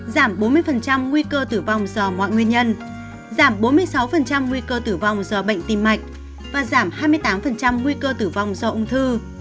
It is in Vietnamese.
giảm bốn mươi nguy cơ tử vong do mọi nguyên nhân giảm bốn mươi sáu nguy cơ tử vong do bệnh tim mạch và giảm hai mươi tám nguy cơ tử vong do ung thư